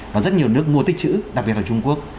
và rất nhiều nước mua tích chữ đặc biệt là trung quốc